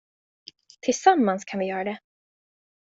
Tillsammans kan vi göra det.